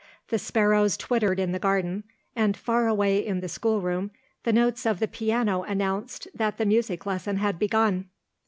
The sparrows twittered in the garden; and, far away in the schoolroom, the notes of the piano announced that the music lesson had begun.